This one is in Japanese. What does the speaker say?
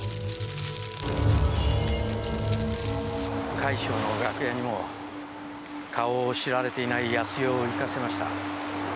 快笑の楽屋にも顔を知られていない康代を行かせました。